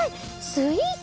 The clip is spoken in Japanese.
スイート？